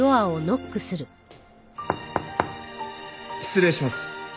失礼します。